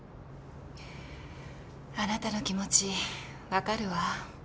あなたの気持ち分かるわ